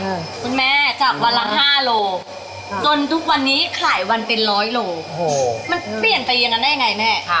คุณแม่จากวันละห้าโลจนทุกวันนี้ขายวันเป็นร้อยโลโอ้โหมันเปลี่ยนไปอย่างนั้นได้ยังไงแม่ค่ะ